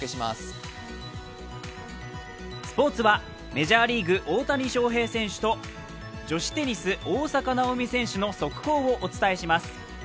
スポーツはメジャーリーグ、大谷翔平選手と女子テニス、大坂なおみ選手の速報をお伝えします。